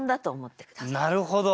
なるほど。